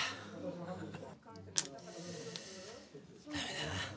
ダメだな。